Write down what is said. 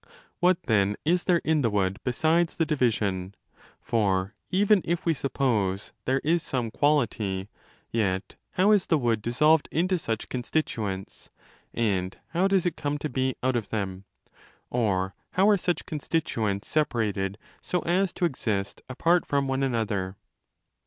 What, then, is there in the wood besides the division? For even if we suppose there is some quality, yet how~is the wood dissolved into such constituents } and how does it come to be out of them? Or how are such constituents separated so as to exist apart from one another?